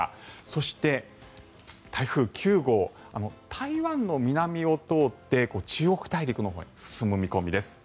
そして、台風９号台湾の南を通って中国大陸のほうへ進む見込みです。